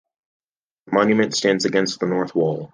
The monument stands against the north wall.